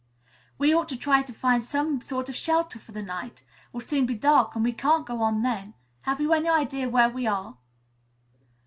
"We ought to try to find some sort of shelter for the night. It will soon be dark and we can't go on then. Have you any idea where we are?"